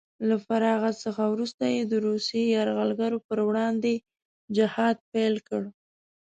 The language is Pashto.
له فراغت څخه وروسته یې د روسیې یرغلګرو په وړاندې جهاد پیل کړ